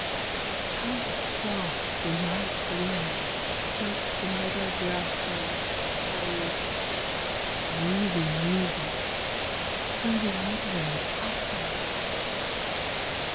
How soft the night wind strokes the meadow grasses And, breathing music, through the woodland passes